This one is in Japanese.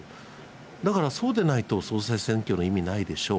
だからそうでないと、総裁選というのは意味ないでしょう。